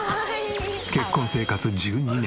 結婚生活１２年。